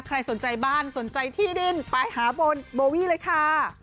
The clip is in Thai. ใครสนใจบ้านสนใจที่ดินไปหาโบวี่เลยค่ะ